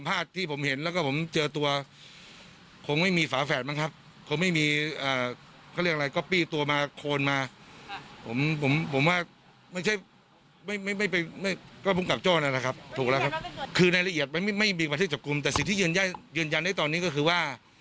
อาจจะฟังอีกครั้งหนึ่งค่ะ